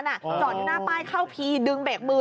จอดอยู่หน้าป้ายเข้าพีดึงเบรกมือ